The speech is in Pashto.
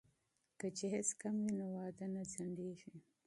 که جهیز کم وي نو واده نه ځنډیږي.